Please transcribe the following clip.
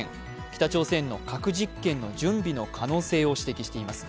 北朝鮮の核実験の準備の可能性を指摘しています。